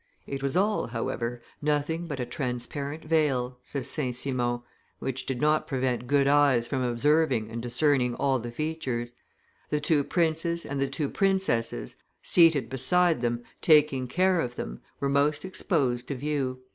"It was all, however, nothing but a transparent veil," says St. Simon, "which did not prevent good eyes from observing and discerning all the features. The two princes and the two princesses, seated beside them, taking care of them, were most exposed to view.